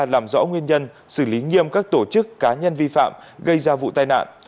làm rõ nguyên nhân xử lý nghiêm các tổ chức cá nhân vi phạm gây ra vụ tai nạn